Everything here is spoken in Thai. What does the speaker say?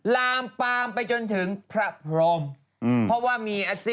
ลามปามไปจนถึงพระพรม